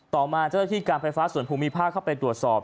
ต่อมาเจ้าหน้าที่การไฟฟ้าส่วนภูมิภาคเข้าไปตรวจสอบ